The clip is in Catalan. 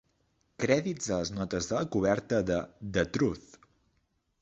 Crèdits de les notes de la coberta de "The Truth".